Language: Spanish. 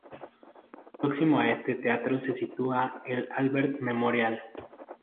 Próximo a este teatro se sitúa el Albert Memorial.